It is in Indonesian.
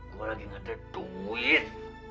gua lagi nggak ada duit